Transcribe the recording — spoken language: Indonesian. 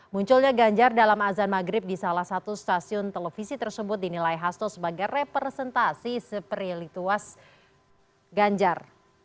munculnya ganjar dalam azan maghrib di salah satu stasiun televisi tersebut dinilai hasto sebagai representasi seperilituas ganjar